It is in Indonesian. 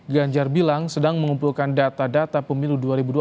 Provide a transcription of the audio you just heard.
ganjar bilang sedang mengumpulkan data data pemilu dua ribu dua puluh